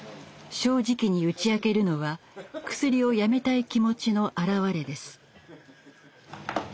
正直に打ち明けるのはクスリをやめたい気持ちの表れです。